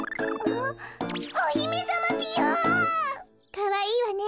かわいいわね。